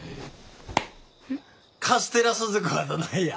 カステラ鈴子はどないや！